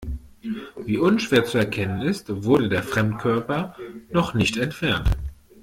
Wie unschwer zu erkennen ist, wurde der Fremdkörper noch nicht entfernt.